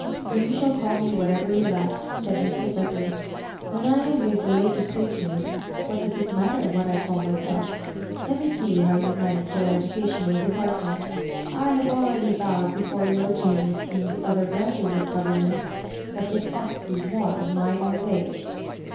''You shall call me whatever you hke," said Mr. Beverley; "when I am with the lady patroness, what does it matter what I call my self? Let me see how yon manage your educa tional department I have already bowed before your genius in the other branches of govern ment ; but tliis ought to be more in my own way."